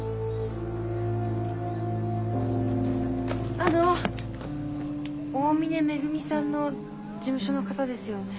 あの大峰恵さんの事務所の方ですよね？